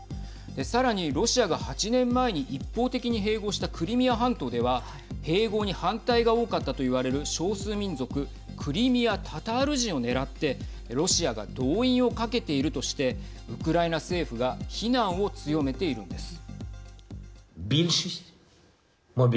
さらに、ロシアが８年前に一方的に併合したクリミア半島では併合に反対が多かったといわれる少数民族クリミア・タタール人を狙ってロシアが動員をかけているとしてウクライナ政府が非難を強めているんです。